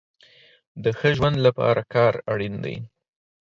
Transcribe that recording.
د ښه ژوند د پاره کار اړين دی